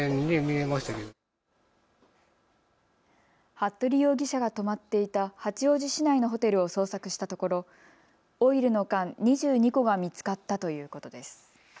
服部容疑者が泊まっていた八王子市内のホテルを捜索したところオイルの缶２２個が見つかったということです。